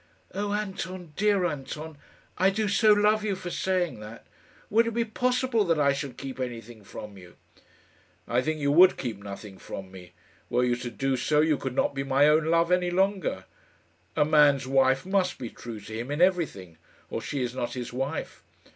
"Oh, Anton, dear Anton, I do so love you for saying that! Would it be possible that I should keep anything from you?" "I think you would keep nothing from me. Were you to do so, you could not be my own love any longer. A man's wife must be true to him in everything, or she is not his wife.